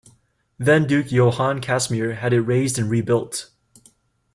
Then Duke Johann Casimir had it razed and rebuilt.